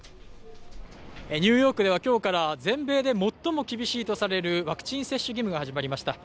ニューヨークでは今日から全米で最も厳しいとされるワクチン接種義務が始まりました